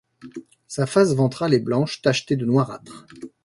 Sa face ventrale est blanche tachetée de noirâtre.